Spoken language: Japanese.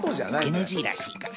ＮＧらしいから。